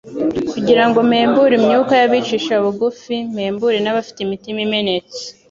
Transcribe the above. kugira ngo mpembure imyuka y’abicisha bugufi, mpembure n’abafite imitima imenetse